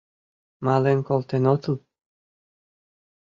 Мален колтен отыл?